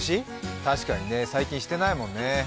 確かにね、最近してないもんね。